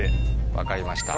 分かりました。